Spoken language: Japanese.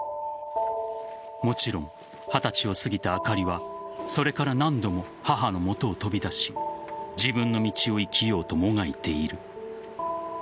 もちろん二十歳を過ぎたあかりはそれから何度も母の元を飛び出し自分の道を生きようともがいている。